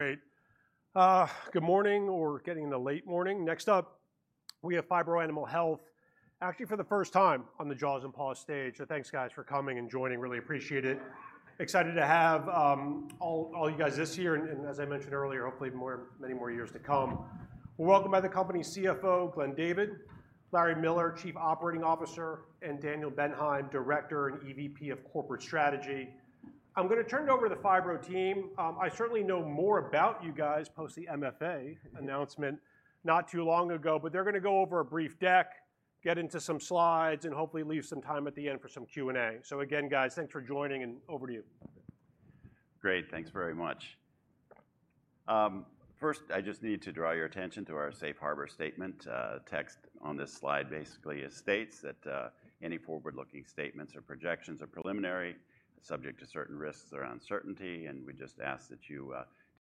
Great. Good morning, or getting into late morning. Next up, we have Phibro Animal Health, actually for the first time on the Jaws and Paws stage. So thanks, guys, for coming and joining. Really appreciate it. Excited to have all you guys this year, and as I mentioned earlier, hopefully many more years to come. We're welcomed by the company CFO, Glenn David, Larry Miller, Chief Operating Officer, and Daniel Bendheim, Director and EVP of Corporate Strategy. I'm going to turn it over to the Phibro team. I certainly know more about you guys post the MFA announcement, not too long ago, but they're going to go over a brief deck, get into some slides, and hopefully leave some time at the end for some Q&A. So again, guys, thanks for joining, and over to you. Great, thanks very much. First, I just need to draw your attention to our safe harbor statement. Text on this slide basically states that any forward-looking statements or projections are preliminary, subject to certain risks or uncertainty, and we just ask that you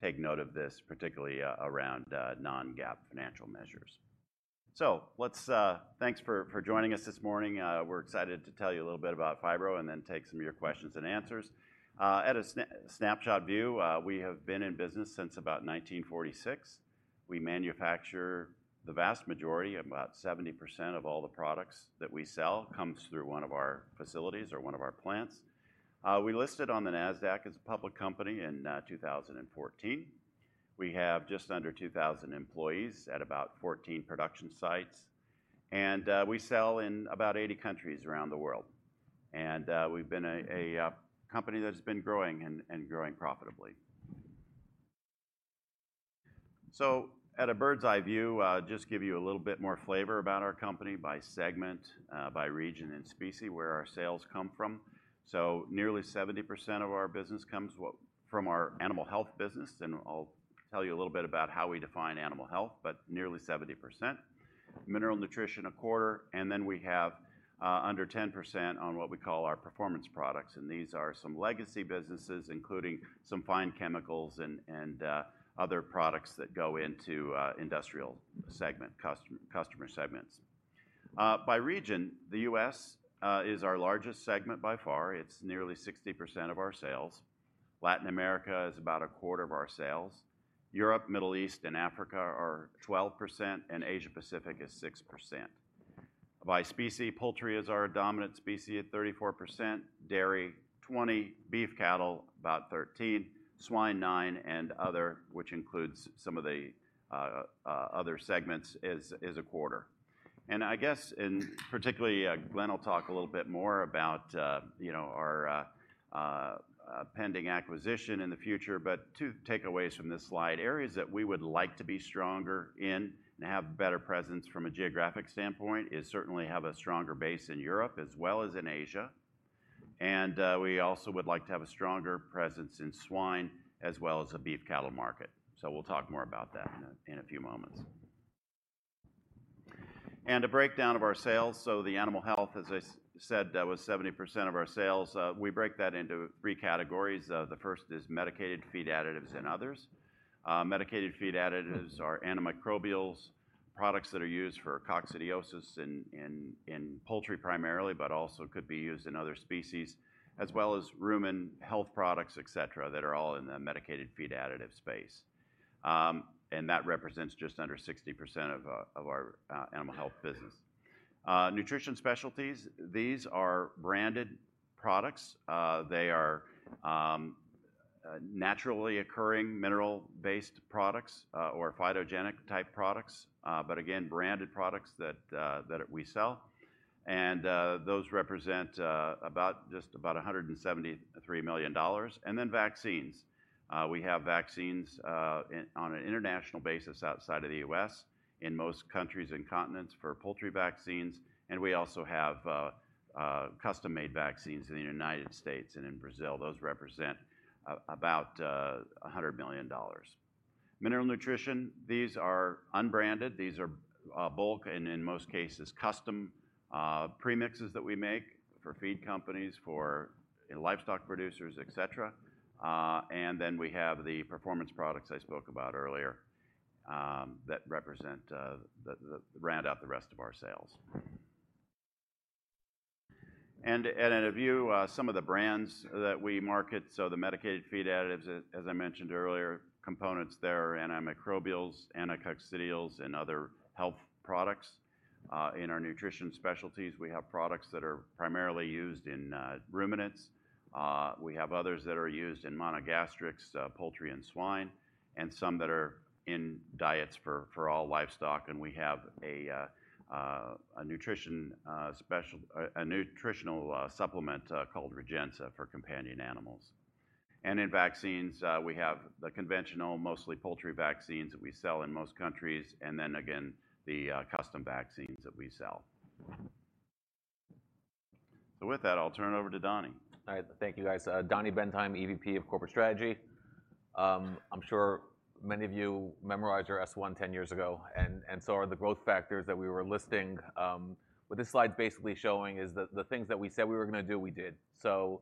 take note of this, particularly around non-GAAP financial measures. Thanks for joining us this morning. We're excited to tell you a little bit about Phibro and then take some of your questions and answers. At a snapshot view, we have been in business since about 1946. We manufacture the vast majority, about 70% of all the products that we sell, comes through one of our facilities or one of our plants. We listed on the NASDAQ as a public company in 2014. We have just under 2,000 employees at about 14 production sites, and we sell in about 80 countries around the world. And we've been a company that's been growing and growing profitably. So at a bird's-eye view, just give you a little bit more flavor about our company by segment, by region and species, where our sales come from. So nearly 70% of our business comes from our animal health business, and I'll tell you a little bit about how we define animal health, but nearly 70%. Mineral nutrition, 25%, and then we have under 10% on what we call our performance products, and these are some legacy businesses, including some fine chemicals and other products that go into industrial segment, customer segments. By region, the U.S. is our largest segment by far. It's nearly 60% of our sales. Latin America is about 25% of our sales. Europe, Middle East, and Africa are 12%, and Asia Pacific is 6%. By species, poultry is our dominant species at 34%, dairy 20%, beef cattle about 13%, swine 9%, and other, which includes some of the other segments, is 25%. I guess in particular, Glenn will talk a little bit more about, you know, our pending acquisition in the future, but 2 takeaways from this slide. Areas that we would like to be stronger in and have better presence from a geographic standpoint is certainly have a stronger base in Europe as well as in Asia. We also would like to have a stronger presence in swine as well as the beef cattle market. So we'll talk more about that in a few moments. A breakdown of our sales, so the animal health, as I said, that was 70% of our sales. We break that into three categories. The first is medicated feed additives and others. Medicated feed additives are antimicrobials, products that are used for coccidiosis in poultry primarily, but also could be used in other species, as well as rumen health products, etc., that are all in the medicated feed additive space. And that represents just under 60% of our animal health business. Nutrition specialties, these are branded products. They are naturally occurring mineral-based products or phytogenic-type products, but again, branded products that we sell. And those represent about just about $173 million. And then vaccines. We have vaccines in on an international basis outside of the U.S., in most countries and continents for poultry vaccines, and we also have custom-made vaccines in the United States and in Brazil. Those represent about $100 million. Mineral nutrition, these are unbranded. These are bulk, and in most cases, custom premixes that we make for feed companies, for livestock producers, etc. And then we have the performance products I spoke about earlier that represent the round out the rest of our sales. At a view some of the brands that we market, so the medicated feed additives, as I mentioned earlier, components there are antimicrobials, anticoccidials, and other health products. In our nutrition specialties, we have products that are primarily used in ruminants. We have others that are used in monogastrics, poultry and swine, and some that are in diets for all livestock, and we have a nutritional supplement called Rejensa for companion animals. In vaccines, we have the conventional, mostly poultry vaccines that we sell in most countries, and then again, the custom vaccines that we sell. So with that, I'll turn it over to Donny. All right. Thank you, guys. Donny Bendheim, EVP of Corporate Strategy. I'm sure many of you memorized our S-1 10 years ago, and so are the growth factors that we were listing. What this slide is basically showing is that the things that we said we were gonna do, we did. So,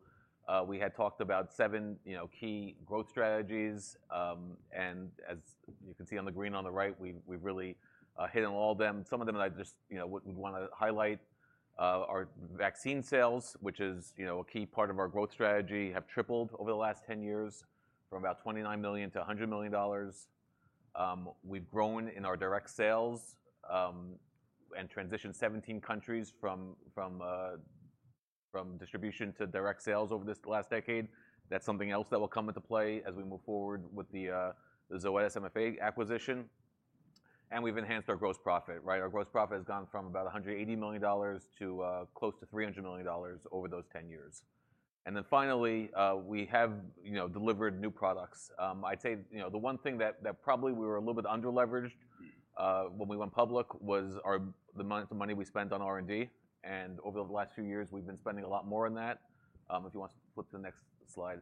we had talked about seven, you know, key growth strategies. You can see on the green on the right, we've really hit on all of them. Some of them that I just, you know, would wanna highlight are vaccine sales, which is, you know, a key part of our growth strategy, have tripled over the last 10 years from about $29 million to $100 million. We've grown in our direct sales, and transitioned 17 countries from distribution to direct sales over this last decade. That's something else that will come into play as we move forward with the Zoetis MFA acquisition, and we've enhanced our gross profit, right? Our gross profit has gone from about $180 million to close to $300 million over those 10 years. And then finally, we have, you know, delivered new products. I'd say, you know, the one thing that probably we were a little bit under-leveraged, when we went public, was the money we spent on R&D, and over the last few years, we've been spending a lot more on that. If you want to flip to the next slide.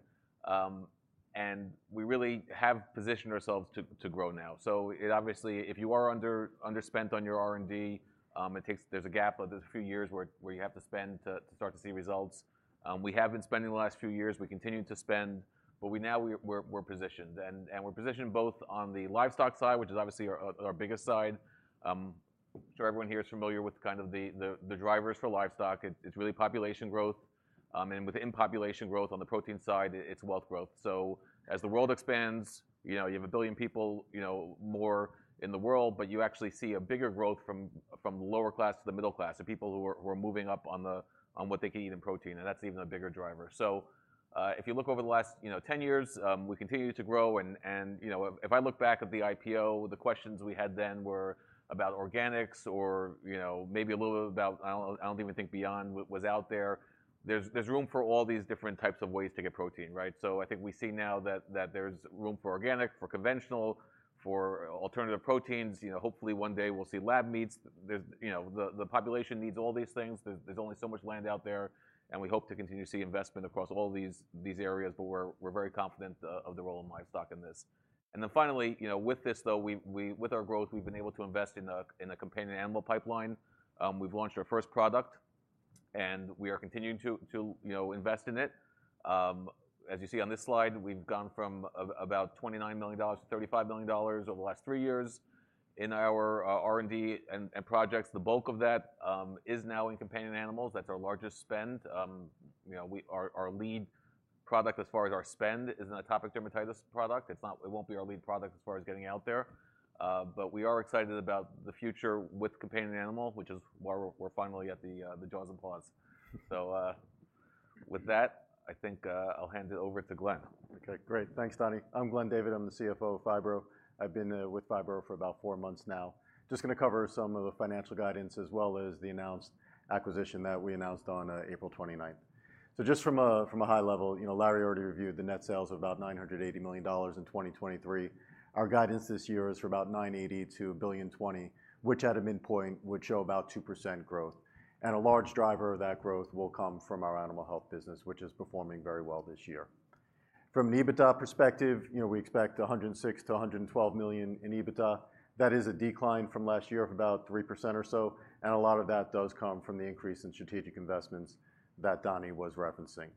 And we really have positioned ourselves to, to grow now. So it obviously, if you are under, underspent on your R&D, it takes—there's a gap of a few years where, where you have to spend to, to start to see results. We have been spending the last few years. We continue to spend, but we now we're, we're positioned and, and we're positioned both on the livestock side, which is obviously our, our biggest side. I'm sure everyone here is familiar with kind of the drivers for livestock. It, it's really population growth, and within population growth, on the protein side, it's wealth growth. So as the world expands, you know, you have 1 billion people, you know, more in the world, but you actually see a bigger growth from the lower class to the middle class, the people who are moving up on what they can eat in protein, and that's even a bigger driver. So, if you look over the last, you know, 10 years, we continue to grow and, you know, if I look back at the IPO, the questions we had then were about organics or, you know, maybe a little bit about... I don't even think Beyond was out there. There's room for all these different types of ways to get protein, right? So I think we see now that there's room for organic, for conventional, for alternative proteins. You know, hopefully, one day we'll see lab meats. There's you know, the population needs all these things. There's only so much land out there, and we hope to continue to see investment across all these areas, but we're very confident of the role of livestock in this. And then finally, you know, with this, though, with our growth, we've been able to invest in a companion animal pipeline. We've launched our first product, and we are continuing to you know, invest in it. As you see on this slide, we've gone from about $29 million to $35 million over the last three years in our R&D and projects. The bulk of that is now in companion animals. That's our largest spend. You know, we... Our lead product as far as our spend is an atopic dermatitis product. It's not—It won't be our lead product as far as getting out there, but we are excited about the future with companion animal, which is why we're finally at the Jaws and claws. So, with that, I think, I'll hand it over to Glenn. Okay, great. Thanks, Donny. I'm Glenn David. I'm the CFO of Phibro. I've been with Phibro for about four months now. Just gonna cover some of the financial guidance, as well as the announced acquisition that we announced on April twenty-ninth. So just from a high level, you know, Larry already reviewed the net sales of about $980 million in 2023. Our guidance this year is for about $980 million-$1.02 billion, which at a midpoint would show about 2% growth, and a large driver of that growth will come from our animal health business, which is performing very well this year. From an EBITDA perspective, you know, we expect $106 million-$112 million in EBITDA. That is a decline from last year of about 3% or so, and a lot of that does come from the increase in strategic investments that Donny was referencing.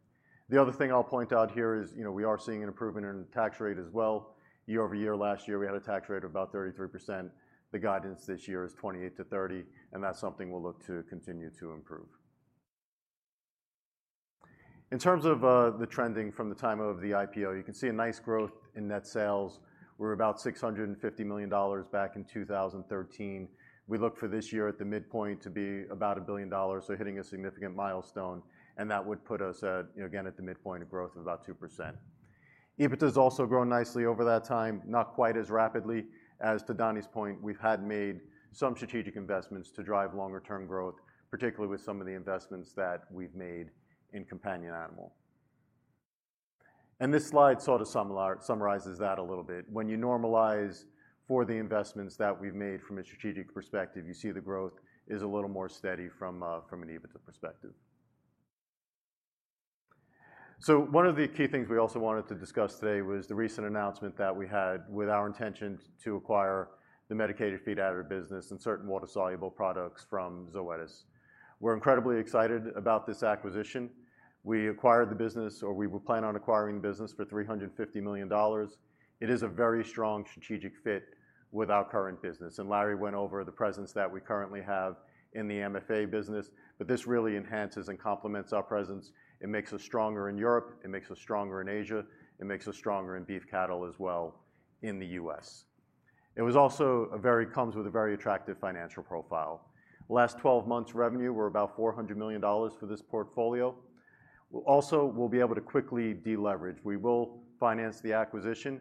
The other thing I'll point out here is, you know, we are seeing an improvement in tax rate as well year-over-year. Last year, we had a tax rate of about 33%. The guidance this year is 28%-30%, and that's something we'll look to continue to improve. In terms of, the trending from the time of the IPO, you can see a nice growth in net sales. We were about $650 million back in 2013. We look for this year at the midpoint to be about $1 billion, so hitting a significant milestone, and that would put us at, you know, again, at the midpoint of growth of about 2%. EBITDA has also grown nicely over that time, not quite as rapidly as, to Donny's point, we've had made some strategic investments to drive longer-term growth, particularly with some of the investments that we've made in companion animal. And this slide sort of summarizes that a little bit. When you normalize for the investments that we've made from a strategic perspective, you see the growth is a little more steady from, from an EBITDA perspective. So one of the key things we also wanted to discuss today was the recent announcement that we had with our intention to acquire the medicated feed additive business and certain water-soluble products from Zoetis. We're incredibly excited about this acquisition. We acquired the business, or we plan on acquiring the business for $350 million. It is a very strong strategic fit with our current business, and Larry went over the presence that we currently have in the MFA business, but this really enhances and complements our presence. It makes us stronger in Europe, it makes us stronger in Asia, it makes us stronger in beef cattle as well in the U.S. It also comes with a very attractive financial profile. Last 12 months revenue were about $400 million for this portfolio. We also will be able to quickly deleverage. We will finance the acquisition,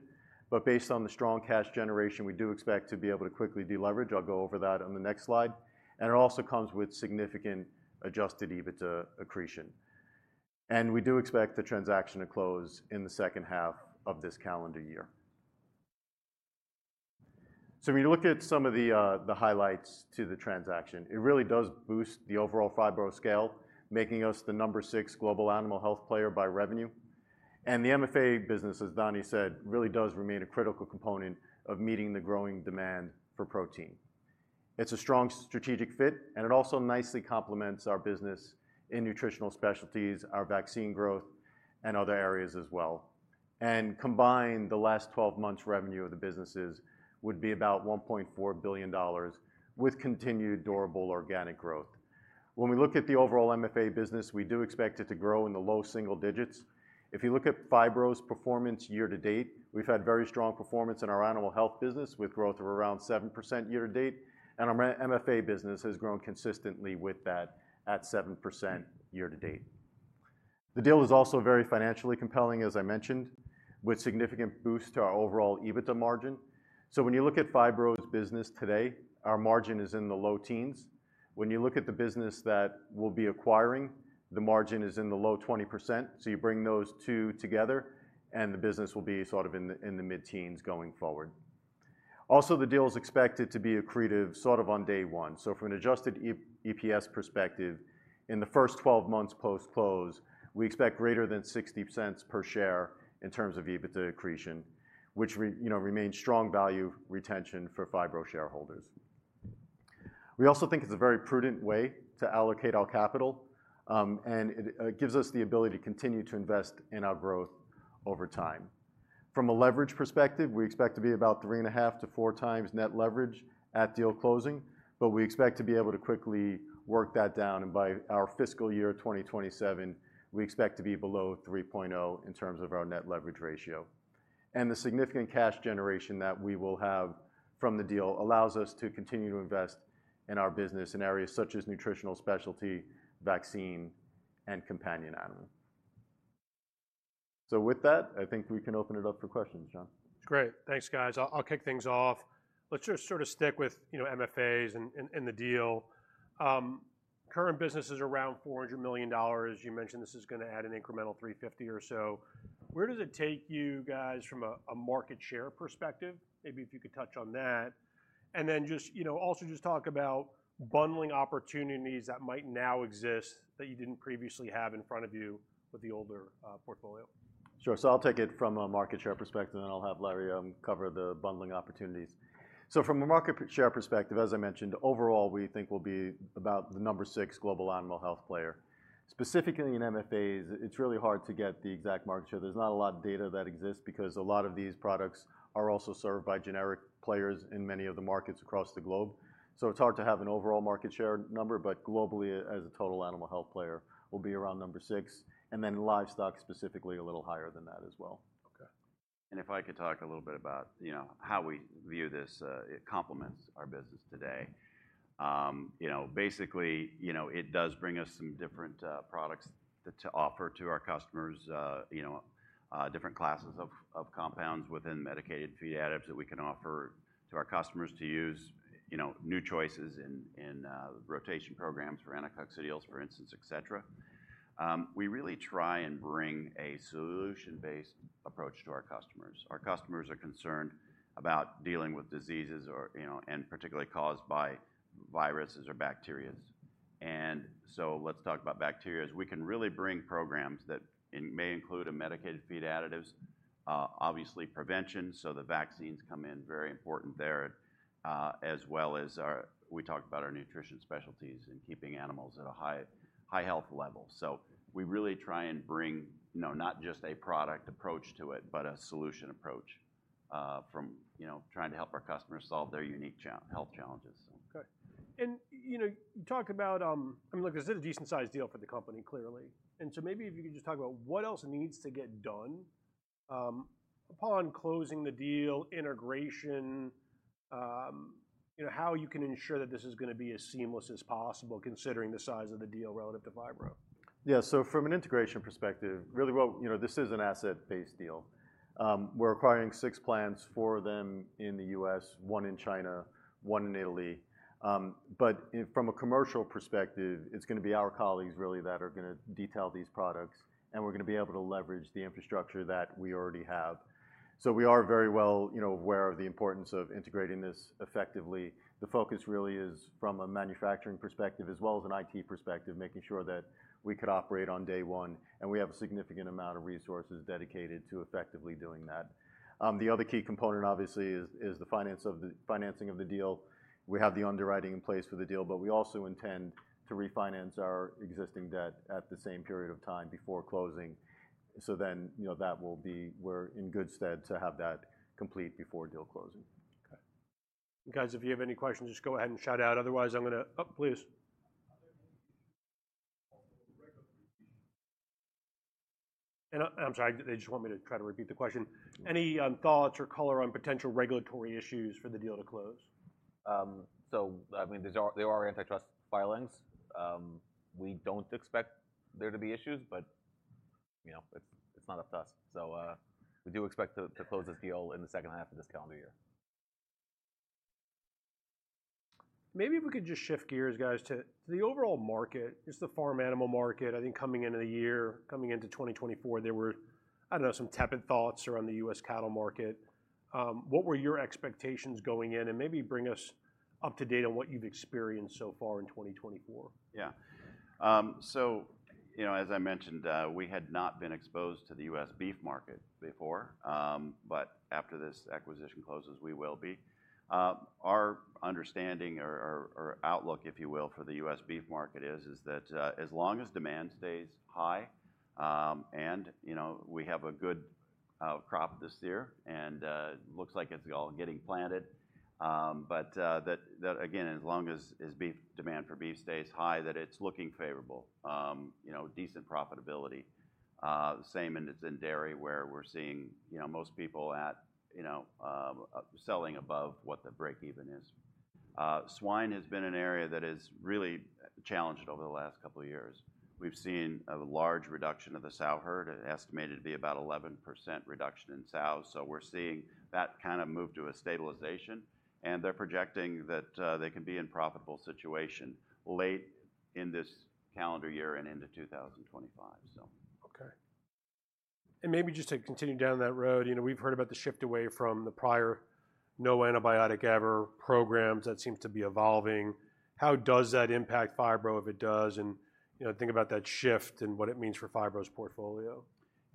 but based on the strong cash generation, we do expect to be able to quickly deleverage. I'll go over that on the next slide, and it also comes with significant Adjusted EBITDA accretion, and we do expect the transaction to close in the second half of this calendar year. So when you look at some of the, the highlights to the transaction, it really does boost the overall Phibro scale, making us the number 6 global animal health player by revenue. And the MFA business, as Donny said, really does remain a critical component of meeting the growing demand for protein. It's a strong strategic fit, and it also nicely complements our business in nutritional specialties, our vaccine growth, and other areas as well. And combined, the last twelve months revenue of the businesses would be about $1.4 billion, with continued durable organic growth. When we look at the overall MFA business, we do expect it to grow in the low single digits. If you look at Phibro's performance year to date, we've had very strong performance in our animal health business, with growth of around 7% year to date, and our MFA business has grown consistently with that at 7% year to date. The deal is also very financially compelling, as I mentioned, with significant boost to our overall EBITDA margin. So when you look at Phibro's business today, our margin is in the low teens. When you look at the business that we'll be acquiring, the margin is in the low 20%. So you bring those two together, and the business will be sort of in the mid-teens going forward. Also, the deal is expected to be accretive, sort of on day one. So from an adjusted EPS perspective, in the first 12 months post-close, we expect greater than $0.60 per share in terms of EBITDA accretion, which, you know, remains strong value retention for Phibro shareholders. We also think it's a very prudent way to allocate our capital, and it gives us the ability to continue to invest in our growth over time. From a leverage perspective, we expect to be about 3.5-4 times net leverage at deal closing, but we expect to be able to quickly work that down, and by our fiscal year 2027, we expect to be below 3.0, in terms of our net leverage ratio. The significant cash generation that we will have from the deal allows us to continue to invest in our business in areas such as nutritional specialty, vaccine, and companion animal. With that, I think we can open it up for questions. John? Great. Thanks, guys. I'll kick things off. Let's just sort of stick with, you know, MFAs and the deal. Current business is around $400 million. You mentioned this is gonna add an incremental $350 million or so. Where does it take you guys from a market share perspective? Maybe if you could touch on that. And then just, you know, also just talk about bundling opportunities that might now exist that you didn't previously have in front of you with the older portfolio. Sure, so I'll take it from a market share perspective, and then I'll have Larry cover the bundling opportunities. So from a market share perspective, as I mentioned, overall, we think we'll be about the number six global animal health player. Specifically in MFAs, it's really hard to get the exact market share. There's not a lot of data that exists because a lot of these products are also served by generic players in many of the markets across the globe. So it's hard to have an overall market share number, but globally, as a total animal health player, we'll be around number six, and then livestock, specifically a little higher than that as well. Okay. If I could talk a little bit about, you know, how we view this, it complements our business today. You know, basically, you know, it does bring us some different products to offer to our customers, you know, different classes of compounds within medicated feed additives that we can offer to our customers to use, you know, new choices in rotation programs for anticoccidials, for instance, et cetera. We really try and bring a solution-based approach to our customers. Our customers are concerned about dealing with diseases or, you know, and particularly caused by viruses or bacteria. So let's talk about bacteria. We can really bring programs that may include medicated feed additives, obviously prevention, so the vaccines come in very important there, as well as our... We talked about our nutrition specialties and keeping animals at a high, high health level. So we really try and bring, you know, not just a product approach to it, but a solution approach, from, you know, trying to help our customers solve their unique health challenges, so. Okay. And, you know, talk about... I mean, look, this is a decent-sized deal for the company, clearly. And so maybe if you could just talk about what else needs to get done, upon closing the deal, integration, you know, how you can ensure that this is gonna be as seamless as possible, considering the size of the deal relative to Phibro? Yeah, so from an integration perspective, really well, you know, this is an asset-based deal. We're acquiring six plants, four of them in the U.S., one in China, one in Italy. But from a commercial perspective, it's gonna be our colleagues really, that are gonna detail these products, and we're gonna be able to leverage the infrastructure that we already have. So we are very well, you know, aware of the importance of integrating this effectively. The focus really is from a manufacturing perspective as well as an IT perspective, making sure that we could operate on day one, and we have a significant amount of resources dedicated to effectively doing that. The other key component, obviously, is the financing of the deal. We have the underwriting in place for the deal, but we also intend to refinance our existing debt at the same period of time before closing. So then, you know, that will be. We're in good stead to have that complete before deal closing. Okay. Guys, if you have any questions, just go ahead and shout out. Otherwise, I'm gonna... Oh, please. I, I'm sorry, they just want me to try to repeat the question. Any thoughts or color on potential regulatory issues for the deal to close? So I mean, there are antitrust filings. We don't expect there to be issues, but, you know, it's not up to us. So, we do expect to close this deal in the second half of this calendar year. Maybe if we could just shift gears, guys, to the overall market, just the farm animal market. I think coming into the year, coming into 2024, there were, I don't know, some tepid thoughts around the U.S. cattle market... what were your expectations going in? And maybe bring us up to date on what you've experienced so far in 2024. Yeah. So, you know, as I mentioned, we had not been exposed to the U.S. beef market before. But after this acquisition closes, we will be. Our understanding or outlook, if you will, for the U.S. beef market is that, as long as demand stays high, and, you know, we have a good crop this year, and looks like it's all getting planted. But that again, as long as beef demand for beef stays high, that it's looking favorable. You know, decent profitability. The same in dairy, where we're seeing, you know, most people selling above what the break-even is. Swine has been an area that is really challenged over the last couple of years. We've seen a large reduction of the sow herd, estimated to be about 11% reduction in sows. We're seeing that kind of move to a stabilization, and they're projecting that they can be in profitable situation late in this calendar year and into 2025, so. Okay. Maybe just to continue down that road, you know, we've heard about the shift away from the prior no antibiotic ever programs. That seems to be evolving. How does that impact Phibro, if it does, and, you know, think about that shift and what it means for Phibro's portfolio?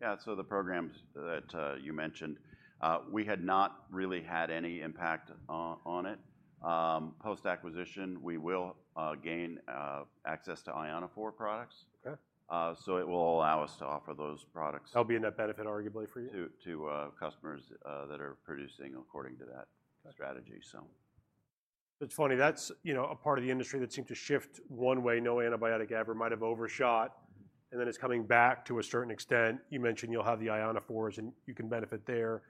Yeah. So the programs that you mentioned, we had not really had any impact on, on it. Post-acquisition, we will gain access to ionophore products. Okay. So, it will allow us to offer those products. That'll be a net benefit, arguably, for you? - to customers that are producing according to that strategy, so. It's funny, that's, you know, a part of the industry that seemed to shift one way, no antibiotic ever might have overshot, and then it's coming back to a certain extent. You mentioned you'll have the ionophores, and you can benefit there.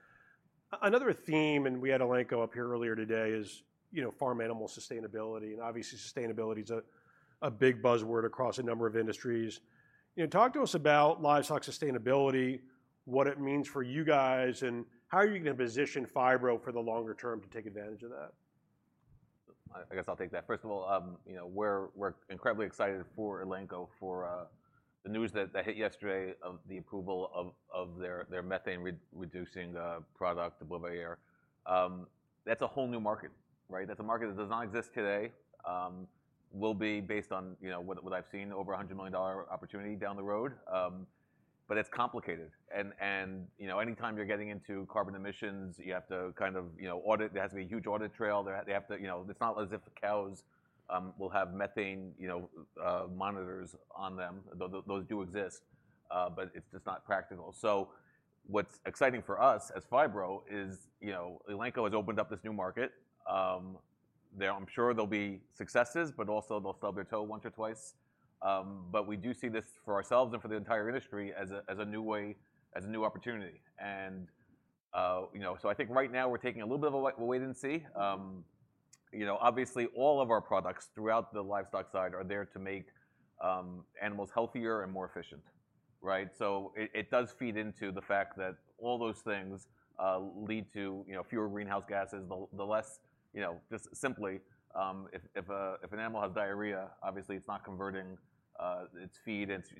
Another theme, and we had Elanco up here earlier today, is, you know, farm animal sustainability, and obviously, sustainability is a, a big buzzword across a number of industries. You know, talk to us about livestock sustainability, what it means for you guys, and how are you going to position Phibro for the longer term to take advantage of that? I, I guess I'll take that. First of all, you know, we're, we're incredibly excited for Elanco, for, the news that, that hit yesterday of the approval of, of their, their methane-reducing, product, the Bovaer. That's a whole new market, right? That's a market that does not exist today. Will be based on, you know, what, what I've seen, over $100 million opportunity down the road. But it's complicated, and, and, you know, anytime you're getting into carbon emissions, you have to kind of, you know, audit. There has to be a huge audit trail. There, they have to... You know, it's not as if the cows, will have methane, you know, monitors on them, though those do exist, but it's just not practical. So what's exciting for us as Phibro is, you know, Elanco has opened up this new market. There, I'm sure there'll be successes, but also they'll stub their toe once or twice. But we do see this for ourselves and for the entire industry as a, as a new way, as a new opportunity. And, you know, so I think right now we're taking a little bit of a wait-and-see. You know, obviously all of our products throughout the livestock side are there to make animals healthier and more efficient, right? So it does feed into the fact that all those things lead to, you know, fewer greenhouse gases. The less... You know, just simply, if an animal has diarrhea, obviously it's not converting its feed, it's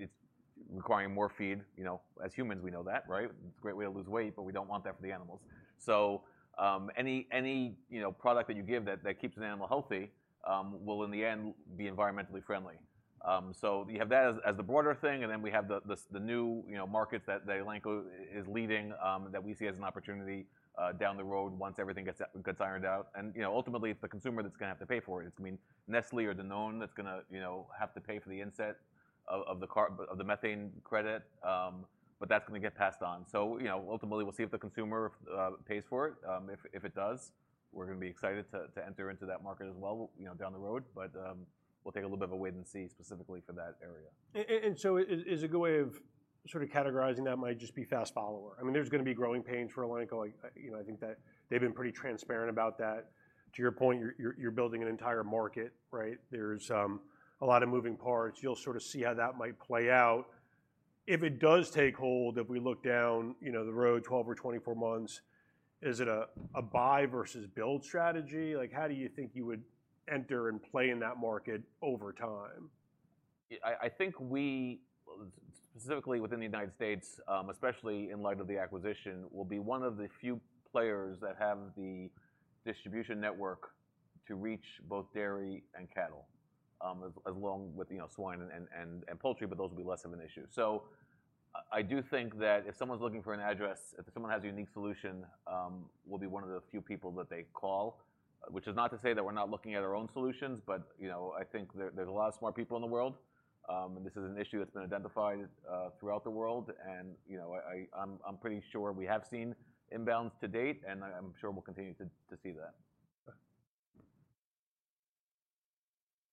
requiring more feed. You know, as humans, we know that, right? It's a great way to lose weight, but we don't want that for the animals. So, any, any, you know, product that you give that, that keeps an animal healthy, will in the end, be environmentally friendly. So you have that as, as the broader thing, and then we have the, the new, you know, markets that, that Elanco is leading, that we see as an opportunity, down the road once everything gets, gets ironed out. And, you know, ultimately, it's the consumer that's gonna have to pay for it. It's gonna be Nestlé or Danone that's gonna, you know, have to pay for the inset of, of the carbon of the methane credit, but that's gonna get passed on. So, you know, ultimately, we'll see if the consumer pays for it. If it does, we're gonna be excited to enter into that market as well, you know, down the road. But, we'll take a little bit of a wait-and-see specifically for that area. So is a good way of sort of categorizing that might just be fast follower. I mean, there's gonna be growing pains for Elanco. You know, I think that they've been pretty transparent about that. To your point, you're building an entire market, right? There's a lot of moving parts. You'll sort of see how that might play out. If it does take hold, if we look down, you know, the road 12 or 24 months, is it a buy versus build strategy? Like, how do you think you would enter and play in that market over time? I think we, specifically within the United States, especially in light of the acquisition, will be one of the few players that have the distribution network to reach both dairy and cattle, as well with, you know, swine and poultry, but those will be less of an issue. So I do think that if someone's looking for an address, if someone has a unique solution, we'll be one of the few people that they call, which is not to say that we're not looking at our own solutions, but, you know, I think there's a lot of smart people in the world, and this is an issue that's been identified throughout the world. You know, I'm pretty sure we have seen inbounds to date, and I'm sure we'll continue to see that.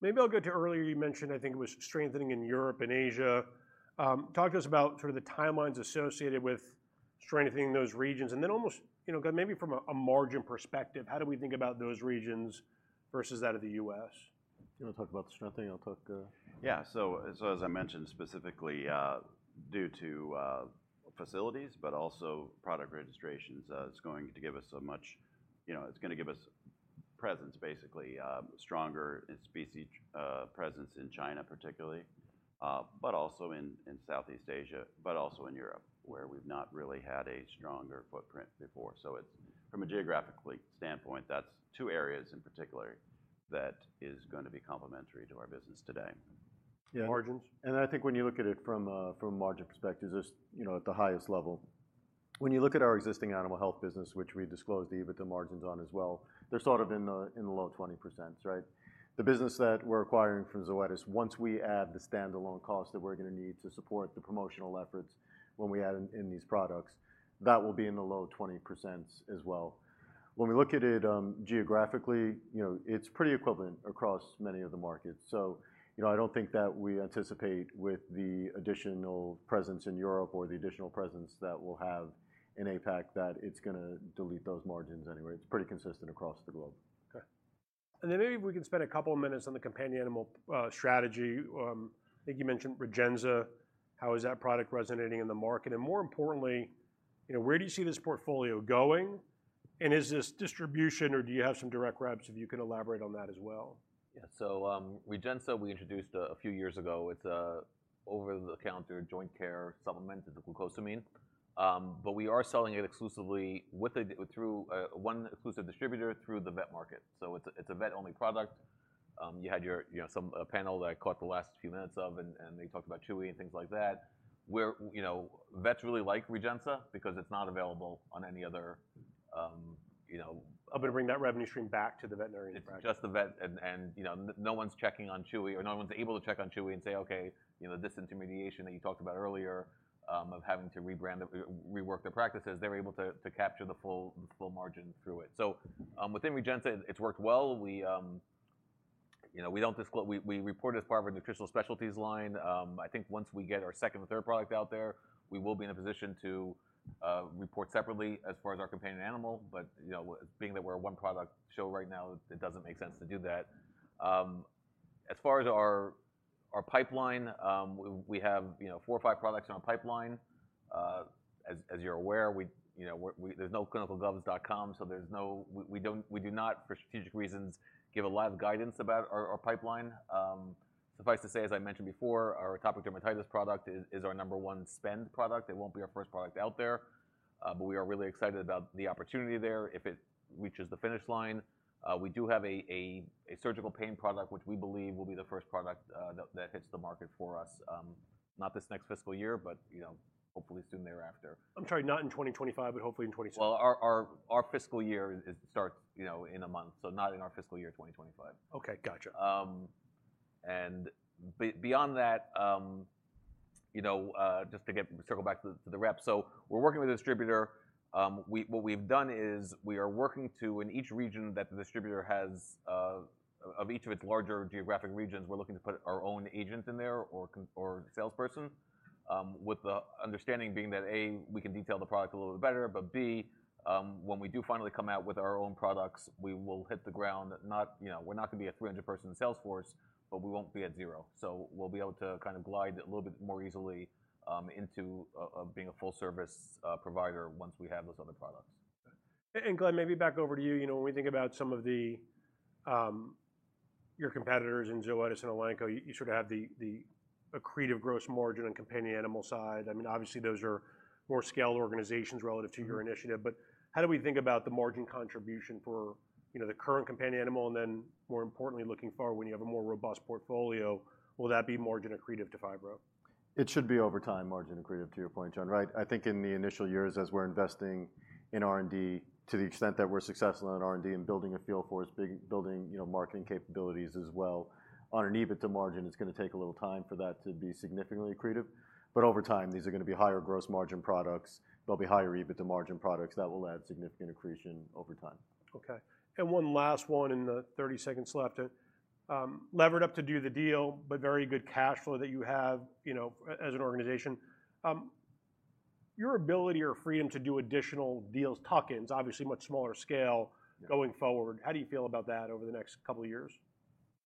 Maybe I'll go to earlier, you mentioned, I think it was strengthening in Europe and Asia. Talk to us about sort of the timelines associated with strengthening those regions, and then almost, you know, maybe from a, a margin perspective, how do we think about those regions versus that of the U.S.? You wanna talk about the strengthening, I'll talk. Yeah, so, so as I mentioned specifically, due to facilities, but also product registrations, it's going to give us, you know, it's gonna give us presence, basically, stronger in species, presence in China particularly, but also in Southeast Asia, but also in Europe, where we've not really had a stronger footprint before. So it's from a geographically standpoint, that's two areas in particular, that is gonna be complementary to our business today. Yeah. Margins? I think when you look at it from a margin perspective, just, you know, at the highest level. When you look at our existing animal health business, which we disclosed the EBITDA margins on as well, they're sort of in the low 20%, right? The business that we're acquiring from Zoetis, once we add the standalone cost that we're gonna need to support the promotional efforts when we add in these products, that will be in the low 20% as well. When we look at it geographically, you know, it's pretty equivalent across many of the markets. So, you know, I don't think that we anticipate with the additional presence in Europe or the additional presence that we'll have in APAC, that it's gonna delete those margins anyway. It's pretty consistent across the globe. Okay. And then maybe if we can spend a couple of minutes on the companion animal strategy. I think you mentioned Rejensa. How is that product resonating in the market? And more importantly, you know, where do you see this portfolio going? And is this distribution, or do you have some direct reps, if you could elaborate on that as well? Yeah. So, Rejensa, we introduced a few years ago, it's a over-the-counter joint care supplement, it's a glucosamine. But we are selling it exclusively through one exclusive distributor through the vet market. So it's a vet-only product. You had your, you know, some panel that I caught the last few minutes of, and they talked about Chewy and things like that, where, you know, vets really like Rejensa because it's not available on any other, you know- Oh, but bring that revenue stream back to the veterinarian, right? It's just the vet, and you know, no one's checking on Chewy, or no one's able to check on Chewy and say, "Okay, you know, disintermediation that you talked about earlier, of having to rebrand or rework their practices." They're able to capture the full margin through it. So, within Rejensa, it's worked well. We, you know, we don't disclose. We report it as part of our nutritional specialties line. I think once we get our second and third product out there, we will be in a position to report separately as far as our companion animal, but you know, being that we're a one-product show right now, it doesn't make sense to do that. As far as our pipeline, we have, you know, four or five products in our pipeline. As you're aware, there's no ClinicalTrials.gov, so there's no... We don't, we do not, for strategic reasons, give a lot of guidance about our pipeline. Suffice to say, as I mentioned before, our atopic dermatitis product is our number one spend product. It won't be our first product out there, but we are really excited about the opportunity there if it reaches the finish line. We do have a surgical pain product, which we believe will be the first product that hits the market for us. Not this next fiscal year, but hopefully soon thereafter. I'm sorry, not in 2025, but hopefully in 2026. Well, our fiscal year is, it starts, you know, in a month, so not in our fiscal year 2025. Okay, gotcha. And beyond that, you know, circle back to the rep. So we're working with a distributor. What we've done is, we are working to, in each region that the distributor has, of each of its larger geographic regions, we're looking to put our own agent in there or salesperson, with the understanding being that, A, we can detail the product a little bit better, but, B, when we do finally come out with our own products, we will hit the ground, not, you know, we're not gonna be a 300-person sales force, but we won't be at zero. So we'll be able to kind of glide a little bit more easily into being a full service provider once we have those other products. And Glenn, maybe back over to you. You know, when we think about some of the, your competitors in Zoetis and Elanco, you, you sort of have the, the accretive gross margin on companion animal side. I mean, obviously, those are more scaled organizations relative to your initiative. Mm-hmm. How do we think about the margin contribution for, you know, the current companion animal, and then more importantly, looking forward, when you have a more robust portfolio, will that be margin accretive to Phibro? It should be over time, margin accretive, to your point, John. Right, I think in the initial years, as we're investing in R&D, to the extent that we're successful in R&D and building a field force, building, you know, marketing capabilities as well, on an EBITDA margin, it's gonna take a little time for that to be significantly accretive, but over time, these are gonna be higher gross margin products. They'll be higher EBITDA margin products that will add significant accretion over time. Okay. And one last one in the 30 seconds left. Levered up to do the deal, but very good cash flow that you have, you know, as an organization. Your ability or freedom to do additional deals, tuck-ins, obviously much smaller scale- Yeah... going forward, how do you feel about that over the next couple of years?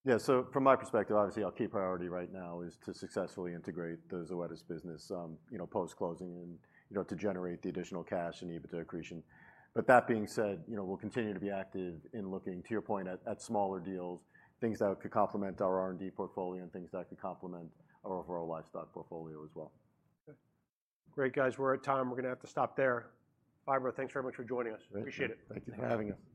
Yeah, so from my perspective, obviously, our key priority right now is to successfully integrate the Zoetis business, you know, post-closing and, you know, to generate the additional cash and EBITDA accretion. But that being said, you know, we'll continue to be active in looking, to your point, at smaller deals, things that could complement our R&D portfolio, and things that could complement our overall livestock portfolio as well. Okay. Great, guys, we're at time. We're gonna have to stop there. Phibro, thanks very much for joining us. Thank you. Appreciate it. Thank you for having us.